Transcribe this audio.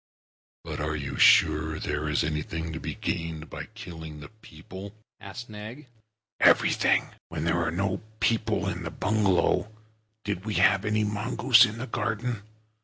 "But are you sure that there is anything to be gained by killing the people?" said Nag. "Everything. When there were no people in the bungalow, did we have any mongoose in the garden?